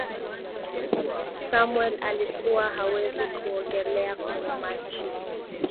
samwel alikuwa hawezi kuogelea kwenye maji